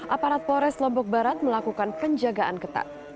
aparat polres lombok barat melakukan penjagaan ketat